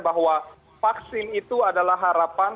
bahwa vaksin itu adalah harapan